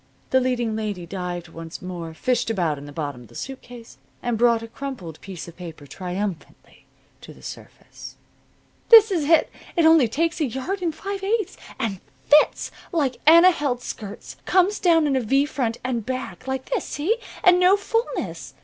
The leading lady dived once more, fished about in the bottom of the suit case and brought a crumpled piece of paper triumphantly to the surface. "This is it. It only takes a yard and five eighths. And fits! Like Anna Held's skirts. Comes down in a V front and back like this. See? And no fulness.